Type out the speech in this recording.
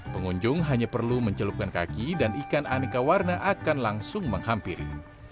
pengunjung hanya perlu mencelupkan kaki dan ikan aneka warna akan langsung menghampiri